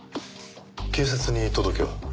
警察に届けは？